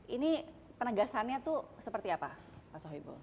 ini penegasannya itu seperti apa pak sohibul